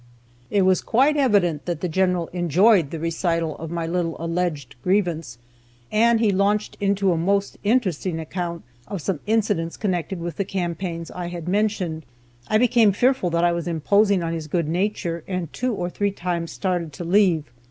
It was quite evident that the General enjoyed the recital of my little alleged grievance, and he launched into a most interesting account of some incidents connected with the campaigns I had mentioned. I became fearful that I was imposing on his good nature, and two or three times started to leave.